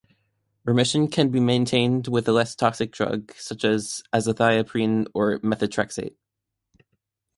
Remission can be maintained with a less toxic drug, such as azathioprine or methotrexate.